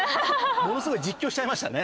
ものすごい実況しちゃいましたね。